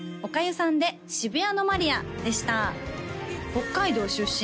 北海道出身